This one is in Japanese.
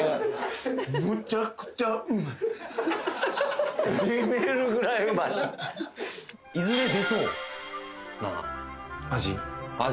むちゃくちゃうまいいずれ出そうな味